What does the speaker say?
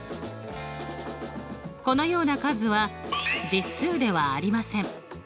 このような数は実数ではありません。